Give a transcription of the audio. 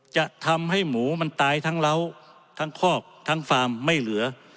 จะทำให้หมูมันตายทั้งเล้าทั้งคอกทั้งฟาร์มไม่เหลือ